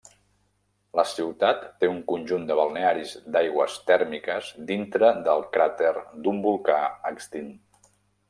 La ciutat té un conjunt de balnearis d'aigües tèrmiques dintre del cràter d'un volcà extint.